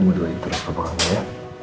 kamu dua itu lah kebakarannya ya